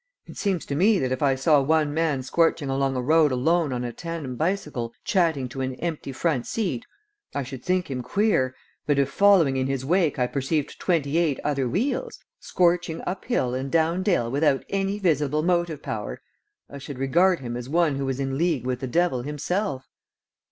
It seems to me that if I saw one man scorching along a road alone on a tandem bicycle chatting to an empty front seat, I should think him queer, but if following in his wake I perceived twenty eight other wheels, scorching up hill and down dale without any visible motive power, I should regard him as one who was in league with the devil himself.